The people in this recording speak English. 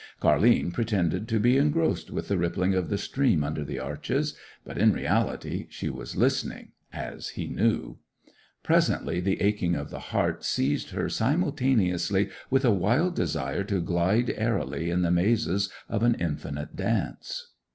Car'line pretended to be engrossed with the rippling of the stream under the arches, but in reality she was listening, as he knew. Presently the aching of the heart seized her simultaneously with a wild desire to glide airily in the mazes of an infinite dance.